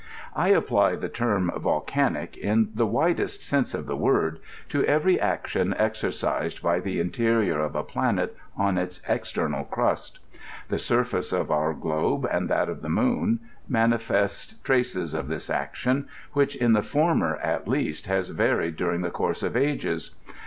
I apply the teem volcanic^ in the widest sense of the irord, to eveiy action exercised by the interior of a planet on its external ciust. The surfaoe of our globe, and that of the moon, manifest traces of lids action, which in the Ibmier, at least, has varied during the course of ages.